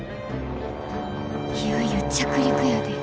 いよいよ着陸やで。